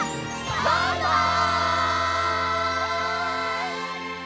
バイバイ！